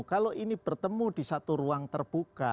kalau ini bertemu di satu ruang terbuka